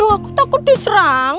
aku takut diserang